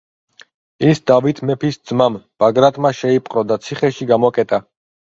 ის დავით მეფის ძმამ, ბაგრატმა შეიპყრო და ციხეში გამოკეტა.